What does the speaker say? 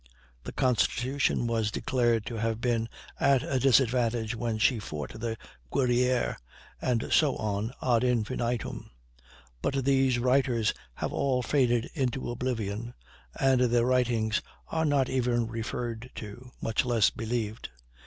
The Constitution was declared to have been at a disadvantage when she fought the Guerrière, and so on ad infinitum. But these writers have all faded into oblivion, and their writings are not even referred to, much less believed.